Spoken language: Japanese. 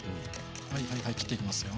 はいはいはい切っていきますよ。